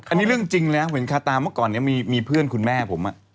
อันนี้เรื่องจริงนะเหมือนคาตาเมื่อก่อนนี้มีเพื่อนคุณแม่ผม